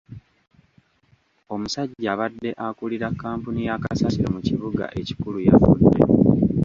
Omusajja abadde akulira kkampuni ya kasasiro mu kibuga ekikulu yafudde.